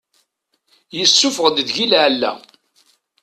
Yessufeɣ-d deg-i lεella.